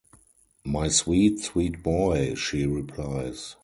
"My sweet, sweet boy," she replies.